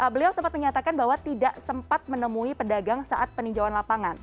beliau sempat menyatakan bahwa tidak sempat menemui pedagang saat peninjauan lapangan